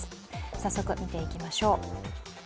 早速、見ていきましょう。